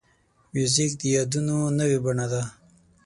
موزیک د یادونو نوې بڼه ده.